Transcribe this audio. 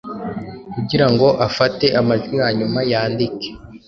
kugira ngo afate amajwi hanyuma yandike